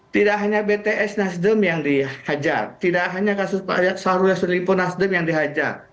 tidak hanya bts nasdem yang dihajar tidak hanya kasus sarul yasudin lipo nasdem yang dihajar